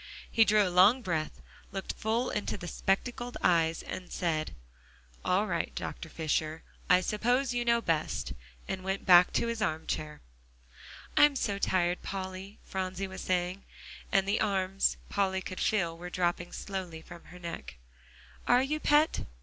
He drew a long breath, looked full into the spectacled eyes, then said, "All right, Fisher; I suppose you know best," and went back to his arm chair. "I'm so tired, Polly," Phronsie was saying, and the arms, Polly could feel, were dropping slowly from her neck. "Are you, Pet?